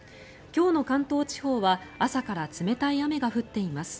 今日の関東地方は朝から冷たい雨が降っています。